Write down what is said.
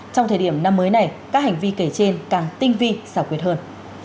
trong thời điểm năm mới này các hành vi kể trên càng tinh vi sảo quyết hơn